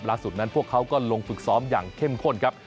ล่าสุดนั้นพวกเขาก็ลงฝึกซ้อมอย่างเข้มข้นครับ